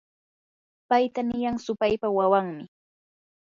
payta niyan supaypa wawanmi.